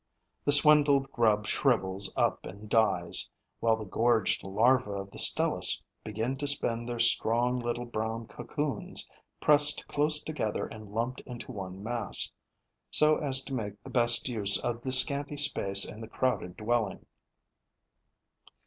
The swindled grub shrivels up and dies, while the gorged larvae of the Stelis begin to spin their strong little brown cocoons, pressed close together and lumped into one mass, so as to make the best use of the scanty space in the crowded dwelling.